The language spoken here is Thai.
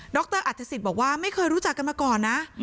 รอัฐศิษย์บอกว่าไม่เคยรู้จักกันมาก่อนนะ